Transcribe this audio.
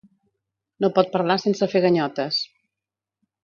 No pot parlar sense fer ganyotes.